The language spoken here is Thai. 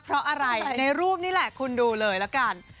เพราะอะไรในรูปนี่แหละคุณดูเลยละกัน